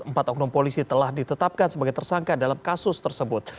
empat oknum polisi telah ditetapkan sebagai tersangka dalam kasus tersebut